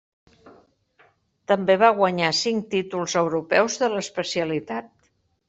També va guanyar cinc títols europeus de l'especialitat.